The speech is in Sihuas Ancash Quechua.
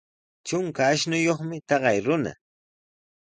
Trunka ashnuyuqmi taqay runa.